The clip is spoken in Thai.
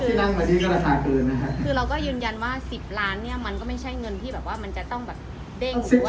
รถที่นั่งมานี่ก็ราคาเกินนะครับ